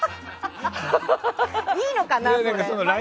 いいのかな、それ。